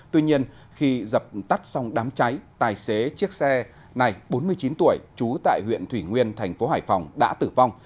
tuy nhiên khi dập tắt xong đám cháy tài xế chiếc xe này bốn mươi chín tuổi trú tại huyện thủy nguyên thành phố hải phòng đã tử vong